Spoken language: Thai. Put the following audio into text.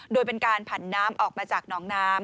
โดยเป็นการผันน้ำออกมาจากหนองน้ำ